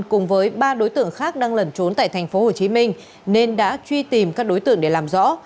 cùng với ba đối tượng khác đang lẩn trốn tại tp hồ chí minh nên đã truy tìm các đối tượng để làm rõ